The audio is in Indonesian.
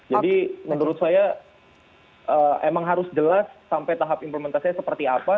jadi menurut saya emang harus jelas sampai tahap implementasinya seperti apa